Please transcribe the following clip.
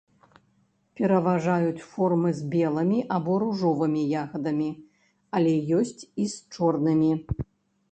Пераважаюць формы з белымі або ружовымі ягадамі, але ёсць і з чорнымі.